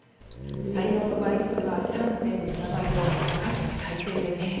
採用の倍率は３．７倍と過去最低です。